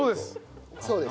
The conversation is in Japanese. そうです。